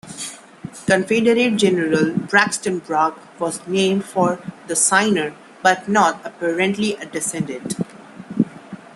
Confederate General Braxton Bragg was named for the signer, but not apparently a descendant.